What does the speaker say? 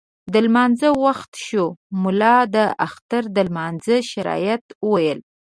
د لمانځه وخت شو، ملا د اختر د لمانځه شرایط وویل.